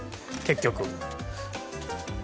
結局。